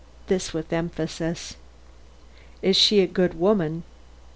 This with emphasis. "Is she a good woman?"